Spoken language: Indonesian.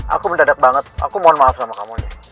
aku mendadak banget aku mohon maaf sama kamu nih